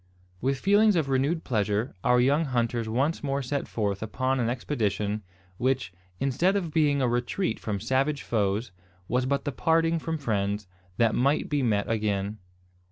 With feelings of renewed pleasure, our young hunters once more set forth upon an expedition, which, instead of being a retreat from savage foes, was but the parting from friends, that might be met again.